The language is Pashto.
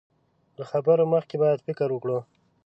له خبرو مخکې بايد فکر وکړو.